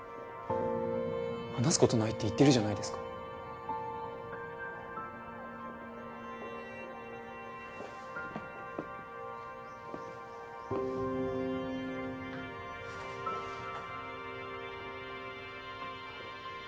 話すことないって言ってるじゃないですかな